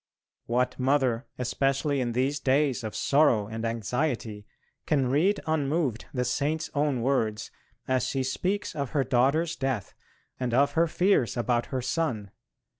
What mother, especially in these days of sorrow and anxiety, can read unmoved the Saint's own words as she speaks of her daughter's death, and of her fears about her son.